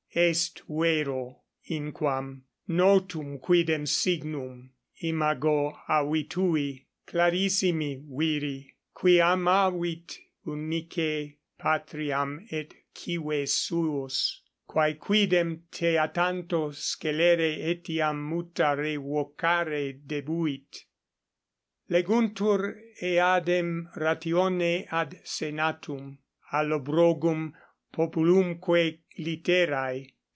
'Est vero' inquam 'notum quidem signum, imago avi tui, clarissimi viri, qui amavit unice patriam et cives suos, quae quidem te a tanto scelere etiam muta revocare debuit.' Leguntur eadem 11 ratione ad senatum Allobrogum populumque litterae.